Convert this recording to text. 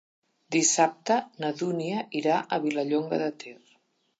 Dissabte na Dúnia irà a Vilallonga de Ter.